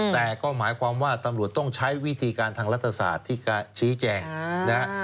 แต่ก็หมายความว่าตำรวจต้องใช้วิธีการทางรัฐศาสตร์ที่จะชี้แจงนะฮะ